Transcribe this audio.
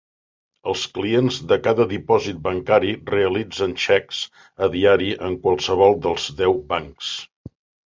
Els clients de cada dipòsit bancari realitzen xecs a diari en qualsevol dels deu bancs.